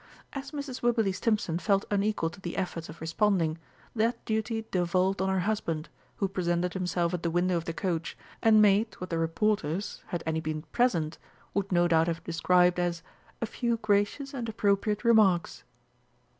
As Mrs. Wibberley Stimpson felt unequal to the efforts of responding, that duty devolved on her husband, who presented himself at the window of the coach, and made what the reporters, had any been present, would no doubt have described as "a few gracious and appropriate remarks."